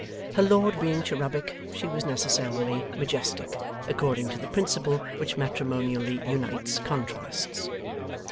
Her lord being cherubic, she was necessarily majestic, according to the principle which matrimonially unites contrasts.